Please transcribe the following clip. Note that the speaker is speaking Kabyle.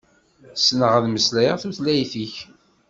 Ssneɣ ad meslayeɣ tutlayt-ik.